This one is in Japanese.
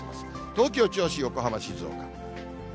東京、銚子、横浜、静岡。